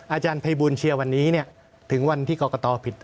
อาจารย์ภัยบูลเชียร์วันนี้ถึงวันที่กรกตผิด